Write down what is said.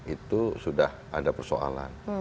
itu sudah ada persoalan